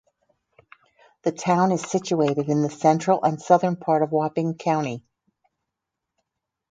The town is situated in the central and southern part of Huaping County.